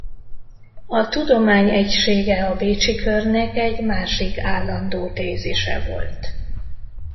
A tudomány egysége a Bécsi Körnek egy másik állandó tézise volt.